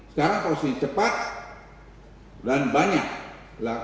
sekarang prosesnya cepat dan banyak